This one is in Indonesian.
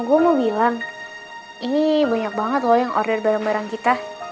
gue mau bilang ini banyak banget loh yang order barang barang kita